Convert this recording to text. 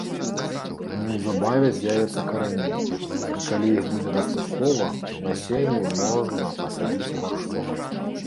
Неўзабаве з'явяцца карані, і калі іх будзе дастаткова, насенне можна пасадзіць у гаршчок.